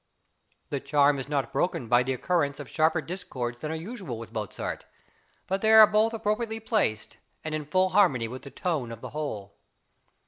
The charm is not broken by the occurrence of sharper discords than are usual with Mozart; but they are both {MANNHEIM.} (422) appropriately placed, and in full harmony with the tone of the whole.